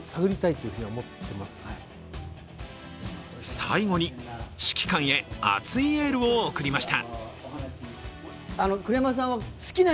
最後に指揮官へ熱いエールを送りました。